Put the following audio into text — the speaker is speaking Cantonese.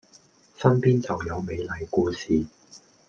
身邊就有美麗故事